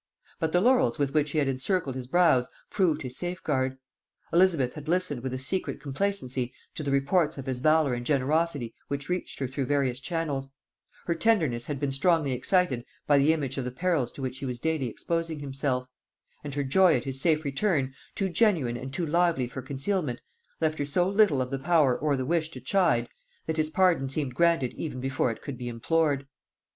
But the laurels with which he had encircled his brows proved his safeguard: Elizabeth had listened with a secret complacency to the reports of his valor and generosity which reached her through various channels; her tenderness had been strongly excited by the image of the perils to which he was daily exposing himself; and her joy at his safe return, too genuine and too lively for concealment, left her so little of the power or the wish to chide, that his pardon seemed granted even before it could be implored.